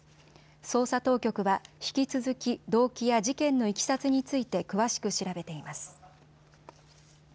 捜査当局は引き続き動機や事件のいきさつについて詳しく調べています。